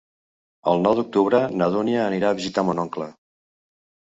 El nou d'octubre na Dúnia anirà a visitar mon oncle.